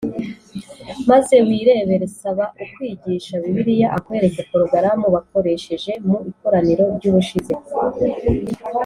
Maze wirebere saba ukwigisha bibiliya akwereke porogaramu bakoresheje mu ikoraniro ry ubushize